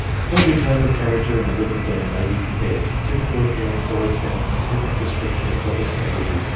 Every type of character in a living being may be com pared to the typical appearance always found in different descriptions of assemblages.